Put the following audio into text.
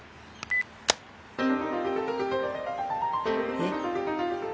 えっ。